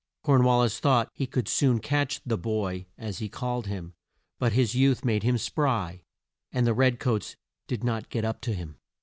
Corn wal lis thought he could soon catch "the boy" as he called him but his youth made him spry, and the red coats did not get up to him.